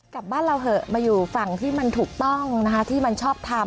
กลับบ้านเราเถอะมาอยู่ฝั่งที่มันถูกต้องนะคะที่มันชอบทำ